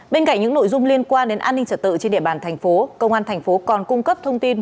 bên cạnh những nội dung liên quan đến an ninh trật tự trên địa bàn tp công an tp còn cung cấp thông tin